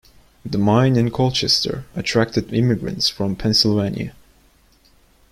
The mines in Colchester attracted immigrants from Pennsylvania.